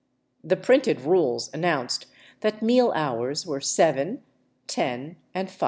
The printed rules announced that meal hours were 7; lo; and 5:30.